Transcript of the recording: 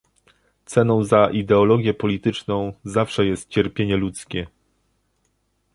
Ceną za ideologię polityczną zawsze jest cierpienie ludzkie